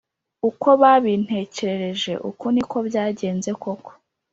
“uko babintekerereje uku niko byagenze koko